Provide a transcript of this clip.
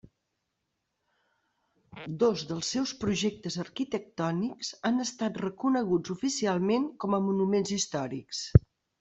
Dos dels seus projectes arquitectònics han estat reconeguts oficialment com a monuments històrics.